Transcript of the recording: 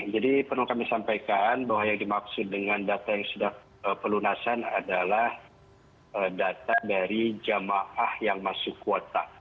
jadi perlu kami sampaikan bahwa yang dimaksud dengan data yang sudah perlunasan adalah data dari jamaah yang masuk kuota